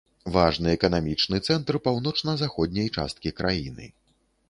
Важны эканамічны цэнтр паўночна-заходняй часткі краіны.